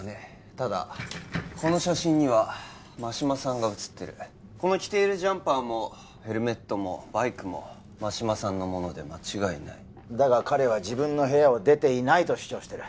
ただこの写真には真島さんが写ってるこの着ているジャンパーもヘルメットもバイクも真島さんの物で間違いないだが彼は自分の部屋を出ていないと主張してる